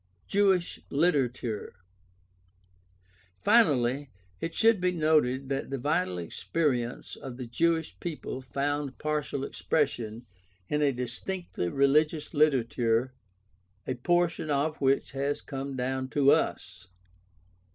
Jewish literature. — Finally, it should be noted that the vital experience of the Jewish people found partial expres sion in a distinctly religious literature, a portion of which has come down to us.